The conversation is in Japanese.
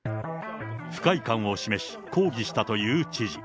不快感を示し、抗議したという知事。